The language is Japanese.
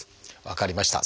分かりました。